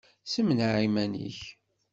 Ssemneɛ iman-nnek!